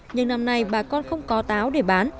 nhưng năm nay bà con không có táo để bán